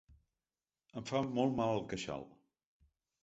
Em fa molt mal el queixal.